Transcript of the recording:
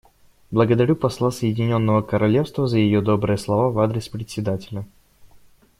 Благодарю посла Соединенного Королевства за ее добрые слова в адрес Председателя.